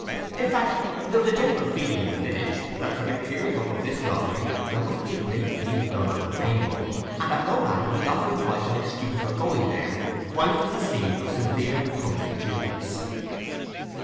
In fact, there was a general feeling in the village, that for the clearing up of this robbery there must be a great deal done at the Rainbow, and that no man need offer his wife an excuse for going there while it was the scene of severe public duties.